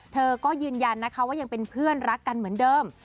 เธอก็ยืนยันนะคะว่ายังเป็นเพื่อนรักกันเหมือนเดิม